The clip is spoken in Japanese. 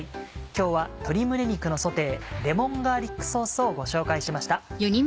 今日は「鶏胸肉のソテーレモンガーリックソース」をご紹介しました。